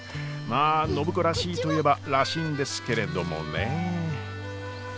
まあ暢子らしいといえばらしいんですけれどもねえ。